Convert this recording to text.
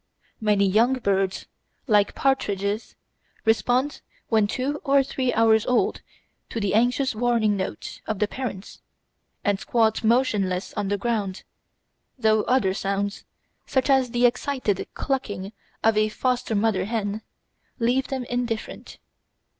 Many young birds, like partridges, respond when two or three hours old to the anxious warning note of the parents, and squat motionless on the ground, though other sounds, such as the excited clucking of a foster mother hen, leave them indifferent.